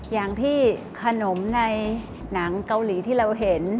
อย่างที่ขนมในหนังเกาหลีที่เราเห็น